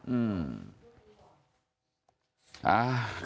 อืม